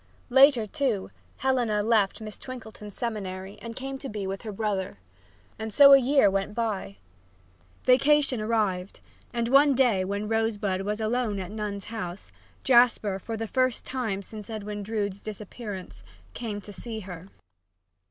Later, too, Helena left Miss Twinkleton's Seminary and came to be with her brother. And so a year went by. Vacation arrived, and one day when Rosebud was alone at Nun's House, Jasper, for the first time since Edwin Drood's disappearance, came to see her.